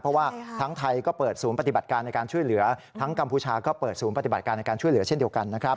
เพราะว่าทั้งไทยก็เปิดศูนย์ปฏิบัติการในการช่วยเหลือทั้งกัมพูชาก็เปิดศูนย์ปฏิบัติการในการช่วยเหลือเช่นเดียวกันนะครับ